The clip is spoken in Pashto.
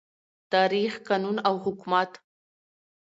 تاریخ، قانون او حکومت